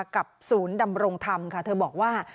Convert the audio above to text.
กับศูนย์ดำรงธรรมค่ะเธอบอกว่า